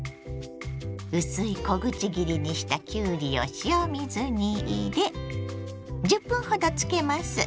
薄い小口切りにしたきゅうりを塩水に入れ１０分ほどつけます。